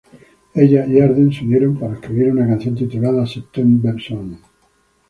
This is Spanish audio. Ella y Arden se unieron para escribir una canción titulada "September Song".